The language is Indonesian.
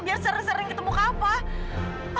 biar sering sering ketemu apa